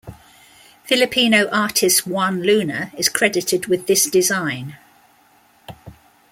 Filipino artist Juan Luna is credited with this design.